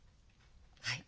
はい。